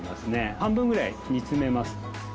半分ぐらい煮詰めます。